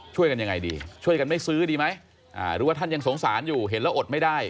ยังไงดีช่วยกันไม่ซื้อดีไหมหรือว่าท่านยังสงสารอยู่เห็นแล้วอดไม่ได้